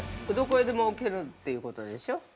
◆どこへでも置けるっていうことでしょ。